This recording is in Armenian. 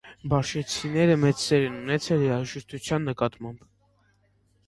Բաբշենցիները մեծ սեր են ունեցել երաժշտության նկատմամբ։